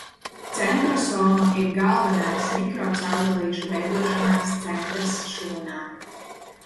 Centrosoma ir galvenais mikrocaurulīšu veidošanās centrs šūnā.